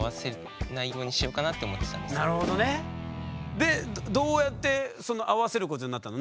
でどうやって会わせることになったの？